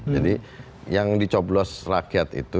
jadi yang dicoblos rakyat itu